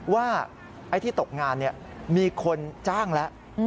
ว่าไอ้ที่ตกงานมีคนจ้างแล้ว